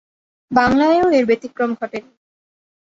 বাংলায়ও এর ব্যতিক্রম ঘটে নি।